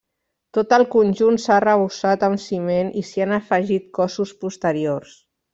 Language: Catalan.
Tot el conjunt s'ha arrebossat amb ciment i s'hi han afegit cossos posteriors.